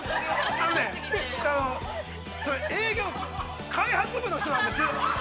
あのね、それ、開発部の人なんです！